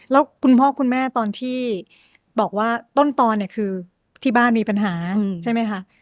แล้วคุณพ่อคุณแม่ตอนที่บอกว่าต้นตอนเนี่ยคือที่บ้านมีปัญหาใช่ไหมคะ